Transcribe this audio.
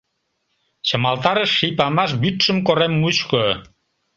Чымалтарыш ший памаш Вӱдшым корем мучко.